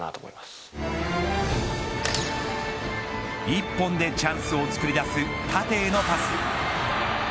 一本でチャンスを作り出す縦へのパス。